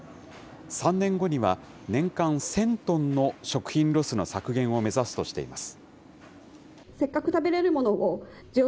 ３年後には、年間１０００トンの食品ロスの削減を目指すとしています。